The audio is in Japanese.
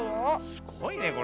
すごいねこれ。